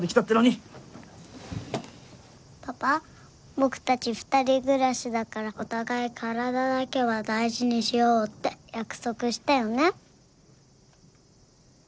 パパ僕たち二人暮らしだからお互い体だけは大事にしようって約束したよね？